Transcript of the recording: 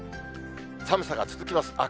寒さが続きます。